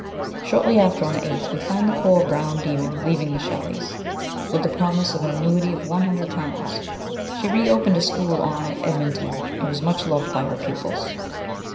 Shortly after, on the 8th, we find the poor " Brown Demon " leaving the Shelleys, with the promise of an annuity of one hundred pounds. She reopened a school later on at Edmonton, and was much loved by her pupils.